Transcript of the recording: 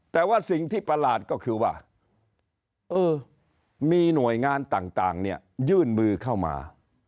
แต่ว่าสิ่งที่ประหลาดก็คือว่ามีหน่วยงานต่างเนี่ยยื่นมือเข้ามา